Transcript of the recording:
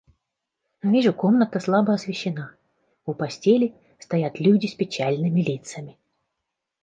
Вижу, комната слабо освещена; у постели стоят люди с печальными лицами.